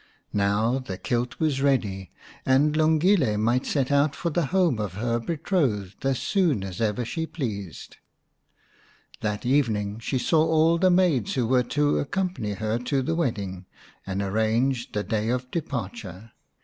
Now the kilt was ready and Lungile 212 The Enchanted Buck might set out for the home of her betrothed as soon as ever she pleased. That evening she saw all the maids who were to accompany her to the wedding, and arranged the day of departure.